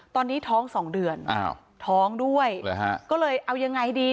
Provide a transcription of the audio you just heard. ตอนนี้ท้อง๒เดือนท้องด้วยก็เลยเอายังไงดี